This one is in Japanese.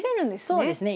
そうですね。